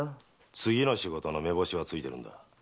次の仕事の目星はついてるんだ。